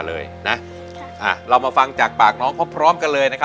เรามาฟังจากปากน้องพบพร้อมกันเลย